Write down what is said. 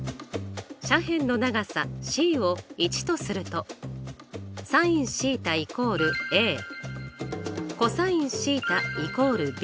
斜辺の長さｃを１とするとｓｉｎθ＝ｃｏｓθ＝ｂ。